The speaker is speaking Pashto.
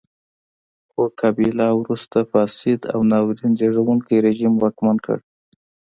خو کابیلا وروسته فاسد او ناورین زېږوونکی رژیم واکمن کړ.